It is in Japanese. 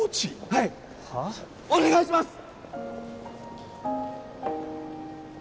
はいお願いします！